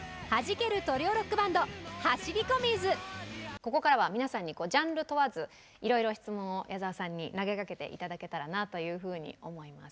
ここからは皆さんにジャンル問わずいろいろ質問を矢沢さんに投げかけて頂けたらなというふうに思います。